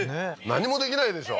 何もできないでしょ？